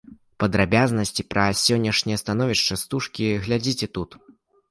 Падрабязнасці пра сённяшняе становішча стужкі глядзіце тут.